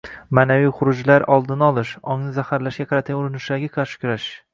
ma’naviy xurujlar oldini olish, ongni zaharlashga qaratilgan urinishlarga qarshi kurashish